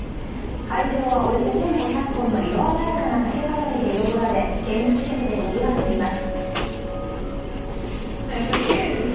会場は、およそ１５００本の色鮮やかな竹飾りで彩られ、見物客でにぎわっています。